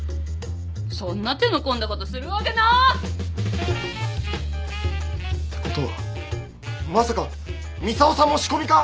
そんな手の込んだことするわけなあ！ってことはまさか操さんも仕込みか！？